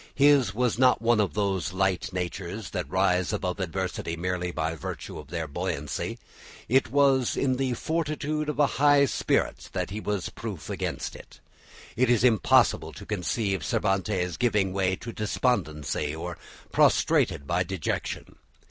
His was not one of those light natures that rise above adversity merely by virtue of their own buoyancy; it was in the fortitude of a high spirit that he was proof against it. It is impossible to conceive Cervantes giving way to despondency or prostrated by dejection.